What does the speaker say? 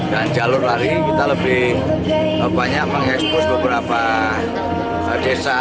dan jalur lari kita lebih banyak mengekspos beberapa desa